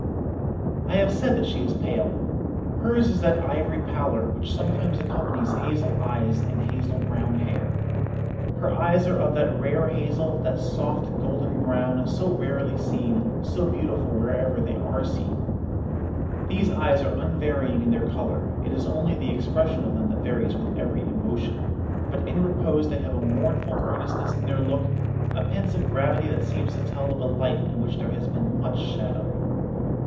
"I have said that she is pale. Hers is that ivory pallor which sometimes accompanies hazel eyes and hazel brown hair. Her eyes are of that rare hazel, that soft golden brown, so rarely seen, so beautiful wherever they are seen. These eyes are unvarying in their colour; it is only the expression of them that varies with every emotion, but in repose they have a mournful earnestness in their look, a pensive gravity that seems to tell of a life in which there has been much shadow.